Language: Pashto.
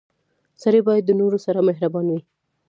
• سړی باید د نورو سره مهربان وي.